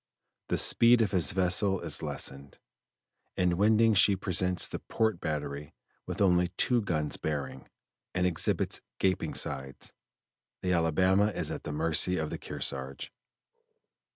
The speed of his vessel is lessened; in winding she presents the port battery with only two guns bearing, and exhibits gaping sides. The Alabama is at the mercy of the Kearsarge.